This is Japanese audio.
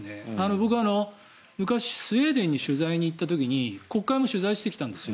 僕は昔、スウェーデンに取材に行った時に国会も取材してきたんですよ。